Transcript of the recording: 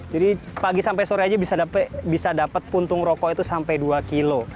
jadi pagi sampe sore aja bisa dapat puntung rokok itu sampe dua kilo